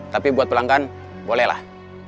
tapi buat pelanggan bolehlah